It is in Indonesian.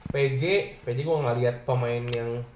pj pj gue gak liat pemain yang